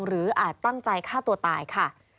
อาจตั้งใจฆ่าตัวตายค่ะ